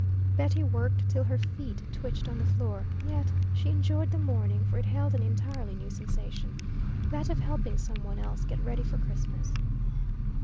Betty worked till her feet twitched on the floor; yet she enjoyed the morning, for it held an entirely new sensation, that of helping some one else get ready for Christmas.